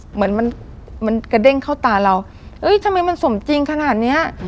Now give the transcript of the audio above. เหมือนมันมันกระเด้งเข้าตาเราเอ้ยทำไมมันสมจริงขนาดเนี้ย